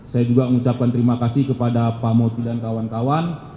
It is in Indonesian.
saya juga mengucapkan terima kasih kepada pak moti dan kawan kawan